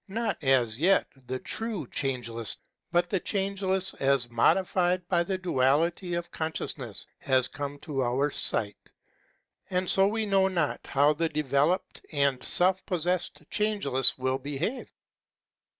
Not, as yet, the true Changeless, but the Changeless 6i8 HEGEL as modified by the duality of consciousness, has come to our sight ; and so we know not how the developed and self possessed Changeless will behave.